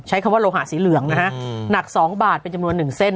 ใช้คำว่าโลหะสีเหลืองนะฮะหนัก๒บาทเป็นจำนวน๑เส้น